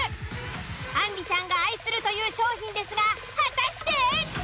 あんりちゃんが愛するという商品ですが果たして！？